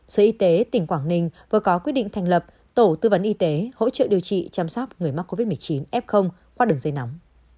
sở y tế tỉnh quảng ninh vừa có quyết định thành lập tổ tư vấn y tế hỗ trợ điều trị chăm sóc người mắc covid một mươi chín f qua đường dây nóng